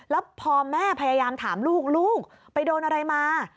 แล้วพอแม่พยายามถามลูกลูกไปโดนอะไรมา